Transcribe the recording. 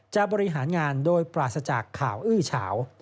บริหารงานโดยปราศจากข่าวอื้อเฉา